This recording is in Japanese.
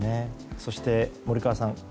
そして、森川さん